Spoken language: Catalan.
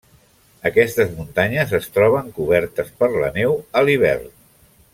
Aquestes muntanyes es troben cobertes per la neu a l'hivern.